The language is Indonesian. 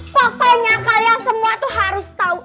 pokoknya kalian semua tuh harus tahu